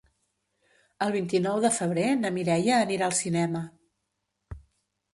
El vint-i-nou de febrer na Mireia anirà al cinema.